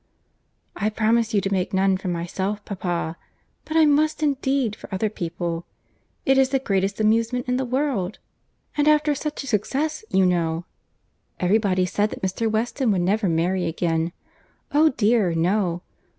"I promise you to make none for myself, papa; but I must, indeed, for other people. It is the greatest amusement in the world! And after such success, you know!—Every body said that Mr. Weston would never marry again. Oh dear, no!